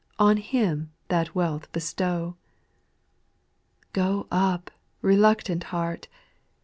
On Him that wealth bestow. 5. Go up, reluctant heart.